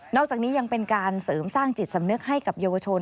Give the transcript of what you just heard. อกจากนี้ยังเป็นการเสริมสร้างจิตสำนึกให้กับเยาวชน